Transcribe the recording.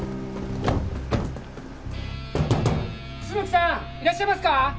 楠さんいらっしゃいますか！？